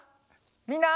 みんな。